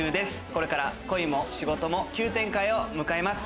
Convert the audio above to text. これから恋も仕事も急展開を迎えます。